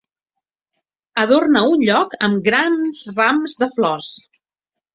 Adorna un lloc amb grans rams de flors.